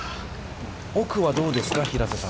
奥はどうですか、平瀬さん。